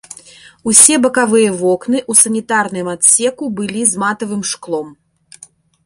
Усе бакавыя вокны ў санітарным адсеку былі з матавым шклом.